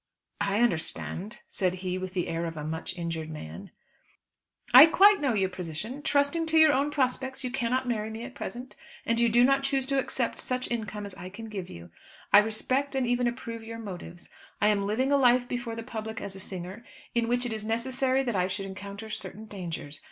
"I understand," said he, with the air of a much injured man. "I quite know your position. Trusting to your own prospects, you cannot marry me at present, and you do not choose to accept such income as I can give you. I respect and even approve your motives. I am living a life before the public as a singer, in which it is necessary that I should encounter certain dangers.